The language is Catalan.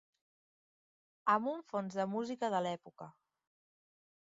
Amb un fons de música de l'època.